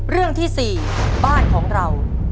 เรื่องที่๔บ้านของเรา